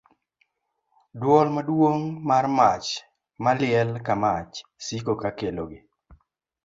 Dwol maduong' mar mach maliel ka mach siko ka kelogi.